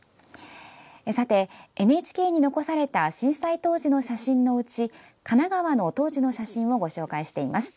さて、ＮＨＫに残された震災当時の写真のうち神奈川の当時の写真をご紹介しています。